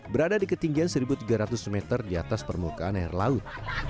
berada di ketinggian satu tiga ratus meter di atas permukaan air laut